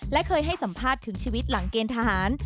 และเคยให้สัมภาษณ์ถึงชีวิตหลังเกณฑหาร